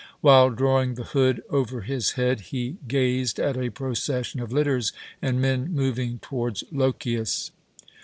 While drawing the hood over his head, he gazed at a procession of litters and men moving towards Lochias.